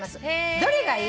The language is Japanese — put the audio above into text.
どれがいい？